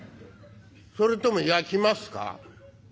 それとも焼きますか？」。